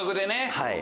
はい。